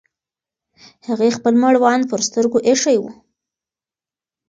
هغې خپل مړوند پر سترګو ایښی و.